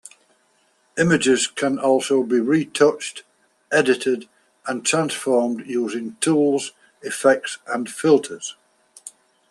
Images can also be retouched, edited, and transformed using tools, effects and filters.